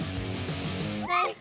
ナイス！